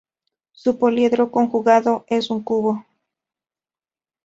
Su poliedro conjugado es un cubo.